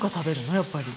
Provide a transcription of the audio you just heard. やっぱり。